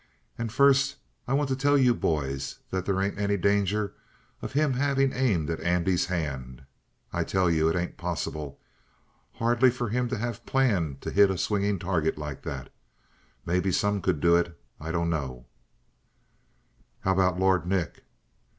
And first I want to tell you boys that they ain't any danger of him having aimed at Andy's hand. I tell you, it ain't possible, hardly, for him to have planned to hit a swingin' target like that. Maybe some could do it. I dunno." "How about Lord Nick?"